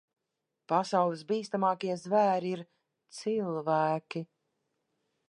Pasaules bīstamākie zvēri ir cilvēki.